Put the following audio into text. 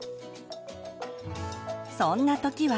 そんな時は。